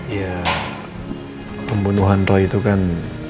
ya pembunuhan roy itu kan